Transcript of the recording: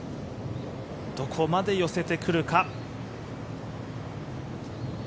どこまで寄せてくるか。